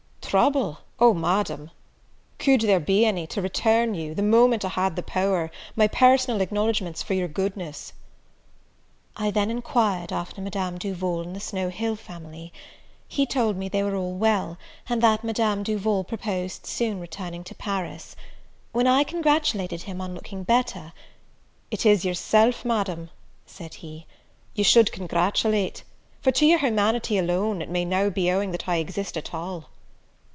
"Trouble! O, Madam, could there be any, to return you, the moment I had the power, my personal acknowledgments for your goodness?" I then enquired after Madame Duval and the Snow Hill family. He told me they were all well, and that Madame Duval proposed soon returning to Paris. When I congratulated him on looking better, "It is yourself, Madam," said he, "you should congratulate; for to your humanity alone it may now be owing that I exist at all."